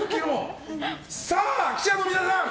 さあ、記者の皆さん